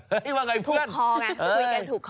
เฮ้ยว่าไงเพื่อน